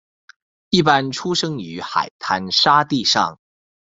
一般生于海滩沙地上。